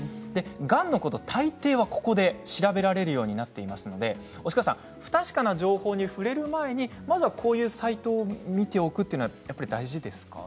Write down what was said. がんのことは大抵ここで調べられるようになっていますので押川さん、不確かな情報に触れる前にまずはこういうサイトを見ておくというのは大事ですか？